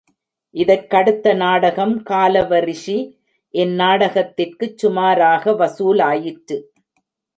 இதற்கடுத்த நாடகம் காலவ ரிஷி. இந்நாடகத்திற்குச் சுமாராக வசூலாயிற்று.